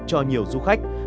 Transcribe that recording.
cho nhiều du khách